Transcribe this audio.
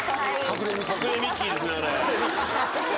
隠れミッキーですねあれ